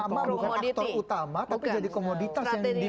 jadi mama bukan aktor utama tapi jadi komoditas yang dipilih